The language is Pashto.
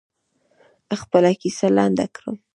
خپله کیسه لنډه کړم.